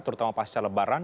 terutama pasca lebaran